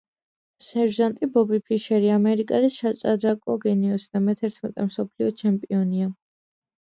სერჟანტი ბობი ფიშერი ამერიკელი საჭადრაკო გენიოსი და მეთერთმეტე მსოფლიო ჩემპიონია